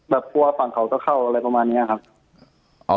แบบว่าฝั่งเขาก็เข้าอะไรประมาณเนี่ยครับ